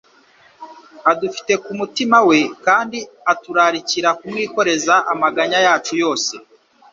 Adufite ku mutima we, kandi aturarikira kumwikoreza amanganya yacu yose.